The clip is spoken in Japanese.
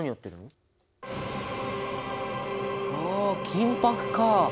あ金ぱくか！